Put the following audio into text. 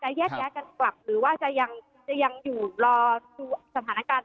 จะแยะแยะกันเกากหรือว่าจะยังอยู่รอดูสถานการณ์๑๙๕๐